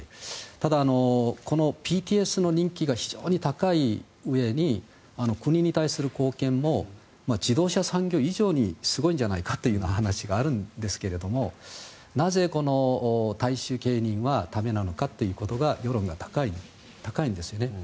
ただ、このＢＴＳの人気が非常に高いうえに国に対する貢献も自動車産業以上にすごいじゃないかという話があるんですけれどもなぜ、大衆芸人は駄目なのかということが世論が高いんですよね。